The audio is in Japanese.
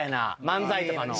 漫才とかの。